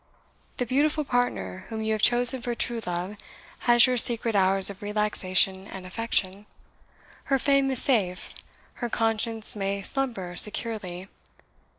The beautiful partner whom you have chosen for true love has your secret hours of relaxation and affection. Her fame is safe her conscience may slumber securely.